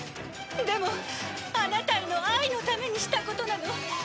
「でもアナタへの愛のためにしたことなの」